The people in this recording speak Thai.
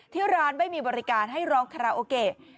ที่ร้านไม่มีบริการให้ร้องคาราโอเกะ